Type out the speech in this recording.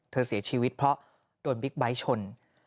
เธอเสียชีวิตเพราะโดนบิ๊กไบท์ชน